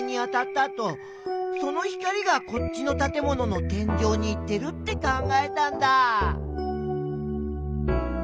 あとその光がこっちのたてものの天井に行ってるって考えたんだ。